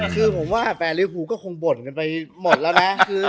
คือผมว่าแฟนริวภูก็คงบ่นกันไปหมดแล้วนะ